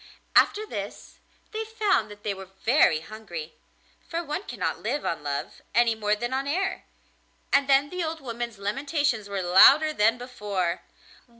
After this they found that they were very hungry, for one cannot live on love, any more than on air, and then the old woman's lamentations were louder than before.